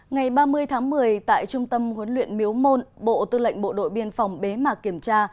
ngày ba mươi tháng một mươi tại trung tâm huấn luyện miếu môn bộ tư lệnh bộ đội biên phòng bế mạc kiểm tra